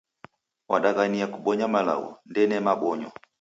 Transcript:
Wadaghania kubonya malagho, ndene mabonyo